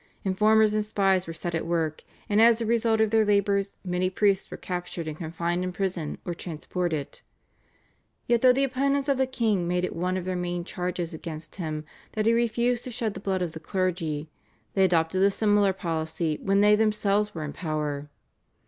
Informers and spies were set at work, and as a result of their labours many priests were captured and confined in prison or transported. Yet, though the opponents of the king made it one of their main charges against him that he refused to shed the blood of the clergy, they adopted a similar policy when they themselves were in power.